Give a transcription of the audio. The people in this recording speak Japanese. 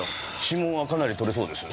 指紋はかなり取れそうです。